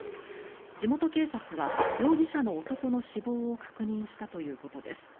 地元警察は、容疑者の男の死亡を確認したということです。